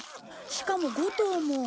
しかも５頭も。